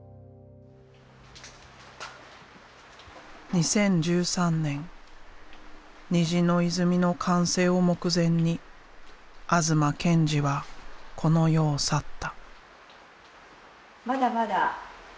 ２０１３年「虹の泉」の完成を目前に東健次はこの世を去った。